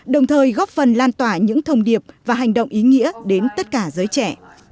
đồng thời góp phần lan tỏa những thông điệp và hành động ý nghĩa đến tất cả giới trẻ